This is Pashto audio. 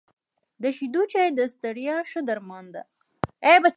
د شيدو چای د ستړیا ښه درمان ده .